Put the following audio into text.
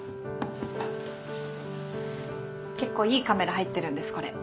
結構いいカメラ入ってるんですこれ。